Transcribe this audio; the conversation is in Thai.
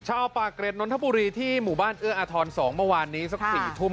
ชาวปากเกร็ดนนทบุรีที่หมู่บ้านเอื้ออาทร๒เมื่อวานนี้สัก๔ทุ่ม